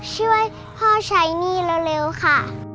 ใช้หนี้เร็วค่ะ